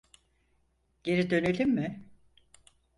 Geri dönelim mi?